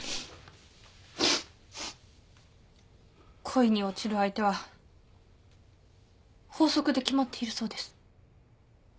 恋に落ちる相手は法則で決まっているそうです。